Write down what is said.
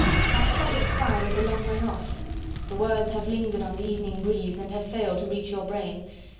That public crier is a long way off: the words have lingered on the evening breeze and have failed to reach your brain.